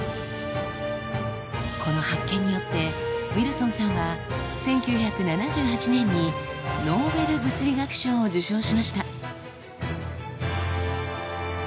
この発見によってウィルソンさんは１９７８年にノーベル物理学賞を受賞しました。